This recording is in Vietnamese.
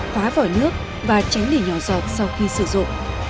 khóa vỏ nước và tránh để nhỏ giọt sau khi sử dụng